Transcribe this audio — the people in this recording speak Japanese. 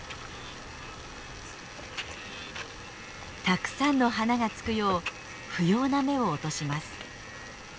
たくさんの花がつくよう不要な芽を落とします。